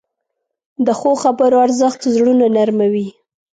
د ښو خبرو ارزښت زړونه نرموې.